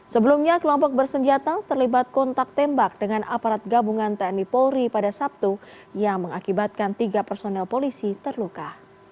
sebelumnya kelompok bersenjata terlibat kontak tembak dengan aparat gabungan tni polri pada sabtu yang mengakibatkan tiga personel polisi terluka